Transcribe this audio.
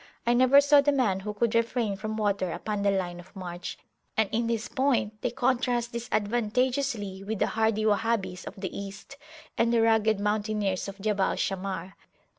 I never saw the man who could refrain from water upon the line of march; and in this point they contrast disadvantageously with the hardy Wahhabis of the East, and the rugged mountaineers of Jabal Shammar.